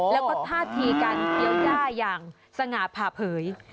แล้วก็ท่าทีการเกี้ยวย่าอย่างสง่าผ่าเผย